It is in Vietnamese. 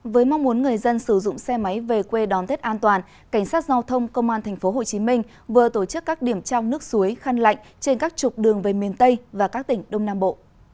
với mong muốn người dân sử dụng xe máy về quê đón tết an toàn cảnh sát giao thông công an tp hcm vừa tổ chức các điểm trao nước suối khăn lạnh trên các trục đường về miền tây và các tỉnh đông nam bộ